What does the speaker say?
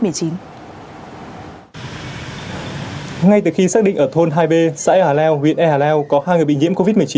ngay từ khi xác định ở thôn hai b xã e hà leo huyện ea hà leo có hai người bị nhiễm covid một mươi chín